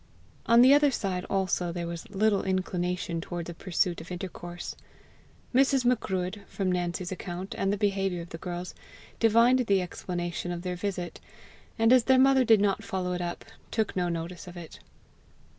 On the other side also there was little inclination towards a pursuit of intercourse. Mrs. Macruadh, from Nancy's account and the behaviour of the girls, divined the explanation of their visit; and, as their mother did not follow it up, took no notice of it.